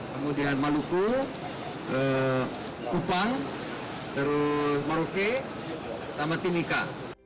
kemudian maluku kupang terus maroke sama timika